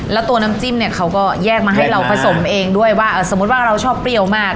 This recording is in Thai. แล้วตัวน้ำจิ้มเนี่ยเขาก็แยกมาให้เราผสมเองด้วยว่าสมมุติว่าเราชอบเปรี้ยวมาก